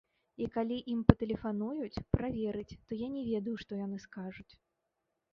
І калі ім патэлефануюць праверыць, то я не ведаю, што яны скажуць.